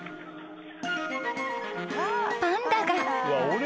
［パンダが］